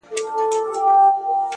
علم د فکر وسعت زیاتوي’